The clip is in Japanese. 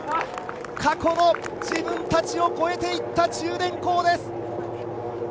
過去の自分たちを超えていった中電工です。